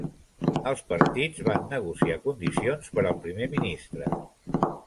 Els partits van negociar condiciones per al primer ministre.